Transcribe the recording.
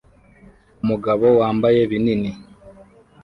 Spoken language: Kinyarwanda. Umugabo wambaye binini